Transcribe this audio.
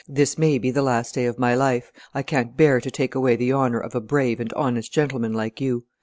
This may be the last day of my life. I can't bear to take away the honor of a brave and honest gentleman like you.